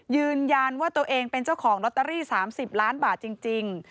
ยืนยันว่าตัวเองเป็นเจ้าของลอตเตอรี่๓๐ล้านบาทจริง